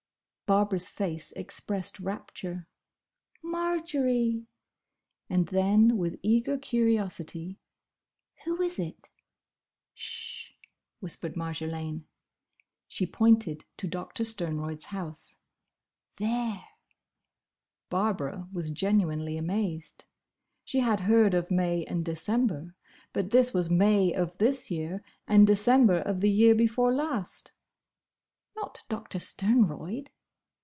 Barbara's face expressed rapture. "Marjory!" And then with eager curiosity, "Who is it?" "Sh!" whispered Marjolaine. She pointed to Doctor Sternroyd's house. "There!" Barbara was genuinely amazed. She had heard of May and December, but this was May of this year and December of the year before last. "Not Doctor Sternroyd?"